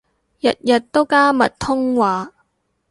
日日都加密通話